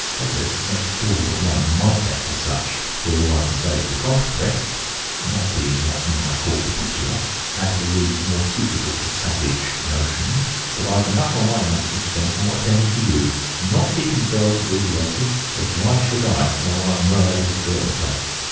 Steggars, next door but one, might let to such, for all I can say to the contrary, not being what you might call particular, and her rooms more suitable to savage notions but I've enough on my hands, Mr. Ventimore, attending to you not keeping a girl to do the waiting, as why should I while I'm well able to do it better myself?"